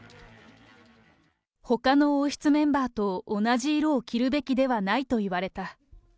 ほかの王室メンバーと同じ色を着るべきではないと言われた。